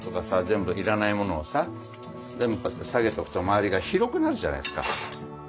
全部要らないものをさ全部こうやって下げておくと周りが広くなるじゃないですか。